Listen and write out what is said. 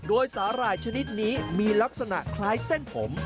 โดยสาหร่ายชนิดนี้มีลักษณะคล้ายเส้นผม